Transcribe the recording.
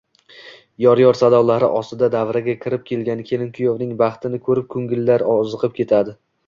Yor-yor sadolari ostida davraga kirib kelgan kelin-kuyovning baxtini koʻrib koʻngillar orziqib ketadi